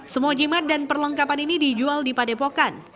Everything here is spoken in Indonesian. semua jimat dan perlengkapan ini dijual di padepokan